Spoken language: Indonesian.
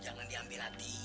jangan diambil hati